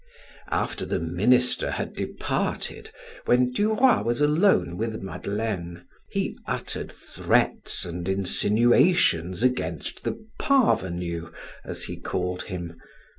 After the minister had departed, when Du Roy was alone with Madeleine, he uttered threats and insinuations against the "parvenu," as he called him.